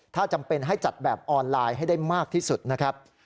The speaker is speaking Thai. ถ้าจำเป็นให้จัดแบบออนไลน์ให้ได้มากที่สุดนะครับ